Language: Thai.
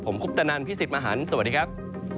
ผมคุปตะนันพี่สิทธิ์มหันฯสวัสดีครับ